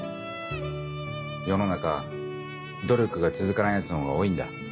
世の中努力が続かないヤツの方が多いんだ。